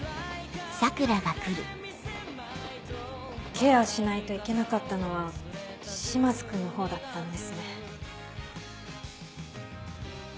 ケアしないといけなかったのは島津君のほうだったんですね。